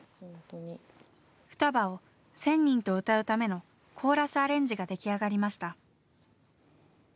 「双葉」を１，０００人と歌うためのコーラスアレンジが出来上がりました。